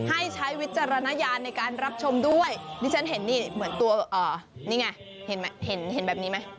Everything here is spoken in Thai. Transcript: ใช้วิจารณญาณในการรับชมด้วยดิฉันเห็นนี่เหมือนตัวนี่ไงเห็นไหมเห็นแบบนี้ไหม